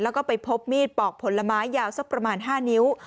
แล้วก็ไปพบมีดปอกผลไม้ยาวสักประมาณ๕นิ้ว